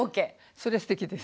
それすてきです。